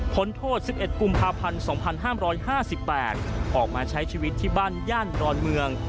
ผลโทษ๑๑กุมภาพันธ์๒๕๕๘ออกมาใช้ชีวิตที่บ้านย่านดอนเมือง